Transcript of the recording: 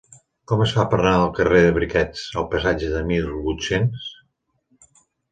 Com es fa per anar del carrer de Briquets al passatge del Mil vuit-cents?